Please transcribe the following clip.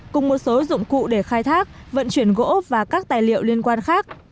cùng một số dụng cụ để khai thác vận chuyển gỗ và các tài liệu liên quan khác